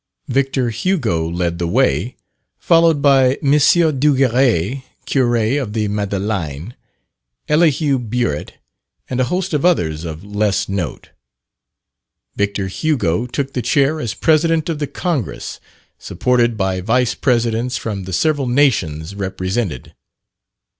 Victor Hugo led the way, followed by M. Duguerry, curé of the Madeleine, Elihu Burritt, and a host of others of less note. Victor Hugo took the chair as President of the Congress, supported by Vice presidents from the several nations represented.